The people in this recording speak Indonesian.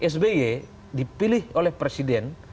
sby dipilih oleh presiden